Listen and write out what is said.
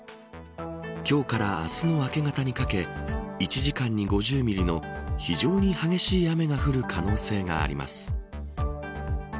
今日から明日の明け方にかけ１時間に５０ミリの非常に激しい雨が降る可能性があります。